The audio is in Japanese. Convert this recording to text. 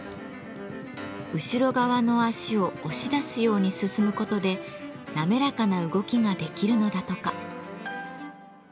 後ろ側の足を押し出すように進む事で滑らかな動きができるのだとか。